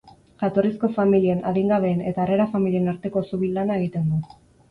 Jatorrizko familien, adingabeen eta harrera familien arteko zubi lana egiten du.